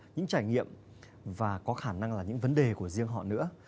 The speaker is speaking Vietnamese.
những trải nghiệm và có khả năng là những vấn đề của riêng họ nữa